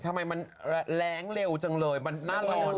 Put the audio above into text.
ทำไมมันแรงเร็วจังเลยมันน่าร้อน